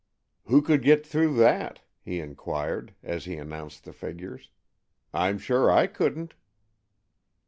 "Who could get through that?" he inquired, as he announced the figures. "I'm sure I couldn't."